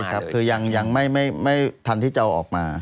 คือยังไม่ทันที่จะเอาออกมา